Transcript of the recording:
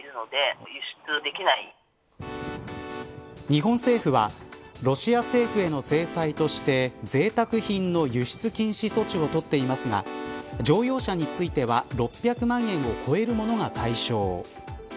日本政府はロシア政府への制裁としてぜいたく品の輸出禁止措置をとっていますが乗用車については６００万円を超える物が対象。